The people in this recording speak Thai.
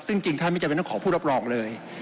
ซึ่งจริงท่านไม่จำเป็นต้องขอผู้รับรองเลย